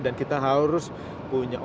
dan kita harus selalu menjaga